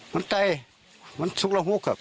มันใจมันทุกละหุ้กครับ